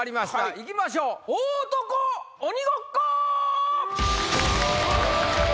いきましょう大男鬼ごっこ！